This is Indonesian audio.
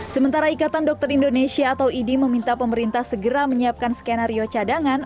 sementara ikatan dokter indonesia atau idi meminta pemerintah segera menyiapkan skenario cadangan